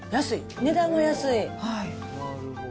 値段が安い。